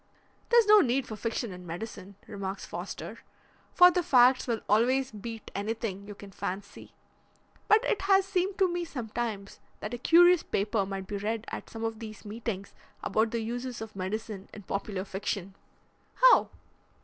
"There's no need for fiction in medicine," remarks Foster, "for the facts will always beat anything you can fancy. But it has seemed to me sometimes that a curious paper might be read at some of these meetings about the uses of medicine in popular fiction." "How?"